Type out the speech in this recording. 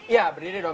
iya berdiri dong